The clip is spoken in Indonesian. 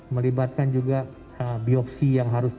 melibatkan juga biopsi yang sangat cepat